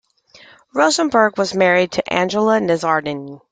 Rosenberg was married to Angela Nizzardini.